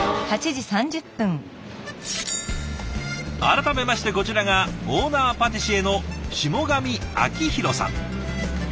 改めましてこちらがオーナーパティシエの霜上明宏さん。